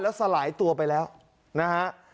แล้วสลายตัวไปแล้วนะฮะ